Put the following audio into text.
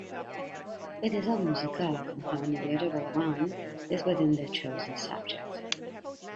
It is almost a gauge on how knowledgeable one is within the chosen subject.